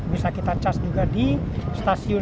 bisa kita cas juga di stasiun